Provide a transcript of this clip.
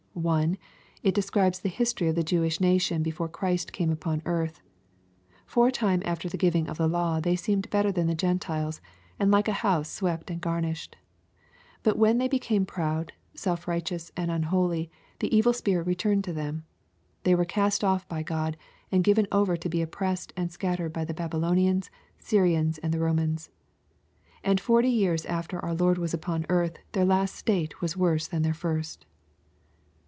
l. ^It describes the" history of the Jewish nation before Christ came upon earth. For a time after the giving of the law they seemed bettet than the Gentiles, and like a house swept and garnished. But when they became proud, self righteous, and unholy, the evil spirit returned to them. They were cast off by God, and given over to be oppressed and scattered by the Babylonians, Syrians, and the Romans. And forty years after our Lord was upon earth, their last state was worse than their first.